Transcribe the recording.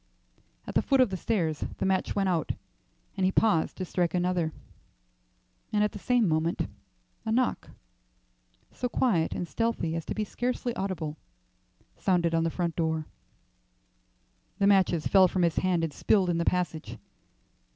At the foot of the stairs the match went out, and he paused to strike another; and at the same moment a knock, so quiet and stealthy as to be scarcely audible, sounded on the front door. The matches fell from his hand and spilled in the passage.